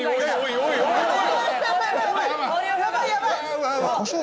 おいやばいやばい！